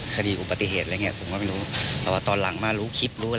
อุบัติเหตุอะไรอย่างเงี้ผมก็ไม่รู้แต่ว่าตอนหลังมารู้คลิปรู้